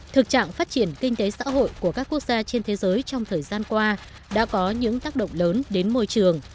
thực trạng phát triển kinh tế xã hội của các quốc gia trên thế giới trong thời gian qua đã có những tác động lớn đến môi trường